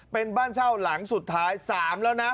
เป็นบ้านเช่าหลังสุดท้าย๓แล้วนะ